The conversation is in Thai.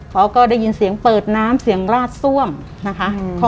เขาก็ได้ยินเสียงเปิดน้ำเสียงราดซ่วมนะคะ